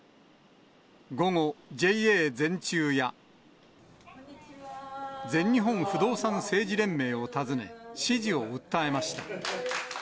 午後、ＪＡ全中や、全日本不動産政治連盟を訪ね、支持を訴えまし